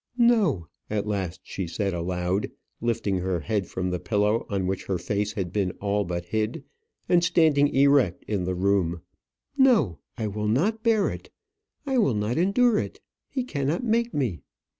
"No!" at last she said aloud, lifting her head from the pillow on which her face had been all but hid, and standing erect in the room; "no! I will not bear it. I will not endure it. He cannot make me."